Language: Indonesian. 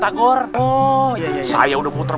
tiga dua tiga